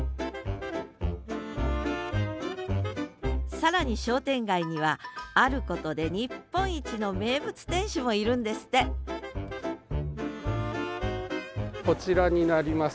更に商店街にはあることで日本一の名物店主もいるんですってこちらになります。